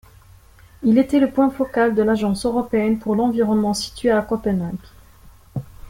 Il était le point focal de l'Agence européenne pour l'environnement située à Copenhague.